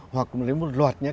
hoặc một loạt các cái cư dân khác